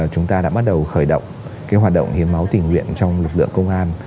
chúng ta đã bắt đầu khởi động hoạt động hiến máu tình nguyện trong lực lượng công an